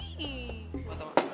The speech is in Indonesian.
kayaknya gue pasal